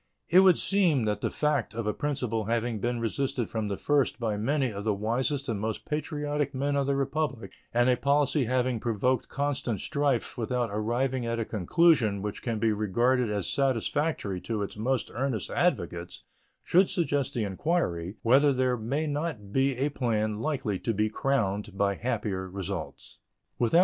It would seem that the fact of a principle having been resisted from the first by many of the wisest and most patriotic men of the Republic, and a policy having provoked constant strife without arriving at a conclusion which can be regarded as satisfactory to its most earnest advocates, should suggest the inquiry whether there may not be a plan likely to be crowned by happier results.